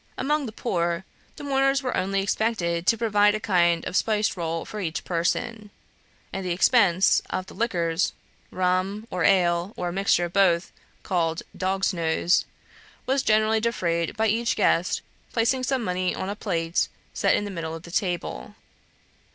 Among the poor, the mourners were only expected to provide a kind of spiced roll for each person; and the expense of the liquors rum, or ale, or a mixture of both called "dog's nose" was generally defrayed by each guest placing some money on a plate, set in the middle of the table.